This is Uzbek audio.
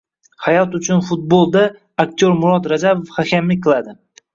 “Hayot uchun futbol!”da aktor Murod Rajabov hakamlik qiladi